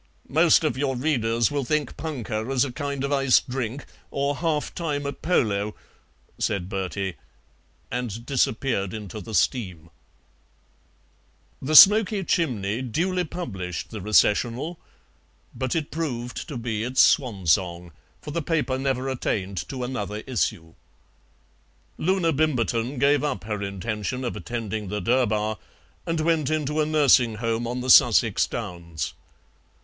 '" "Most of your readers will think 'punkah' is a kind of iced drink or half time at polo," said Bertie, and disappeared into the steam. The SMOKY CHIMNEY duly published the "Recessional," but it proved to be its swan song, for the paper never attained to another issue. Loona Bimberton gave up her intention of attending the Durbar and went into a nursing home on the Sussex Downs.